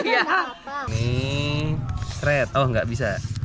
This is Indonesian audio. ini kred oh nggak bisa